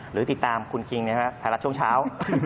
หรือติดตามคุณคิงนะครับถ้ารักช่วงเช้า